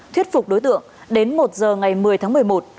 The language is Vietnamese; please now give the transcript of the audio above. thuyết phục đối tượng đến một giờ ngày một mươi tháng một mươi một